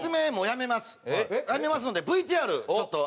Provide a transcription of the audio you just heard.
やめますのでＶＴＲちょっと。